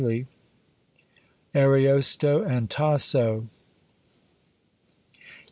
"] ARIOSTO AND TASSO.